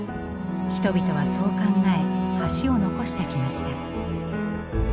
人々はそう考え橋を残してきました。